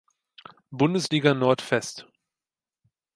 Bundesliga Nord fest.